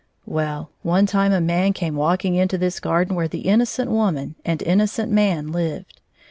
Well, one time a man came walking into this garden where the innocent woman and innocent man lived.